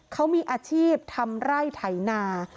เขามีอาชีพทำไร่ไถนา